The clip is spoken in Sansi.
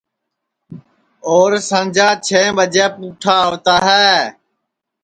اور سانجا چھیں ٻجیں پُٹھا آوتا ہے